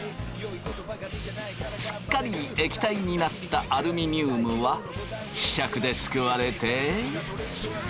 すっかり液体になったアルミニウムはひしゃくですくわれて。